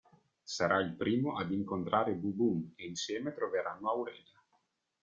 Sarà il primo ad incontrare Bu-Bum e insieme troveranno Aurelia.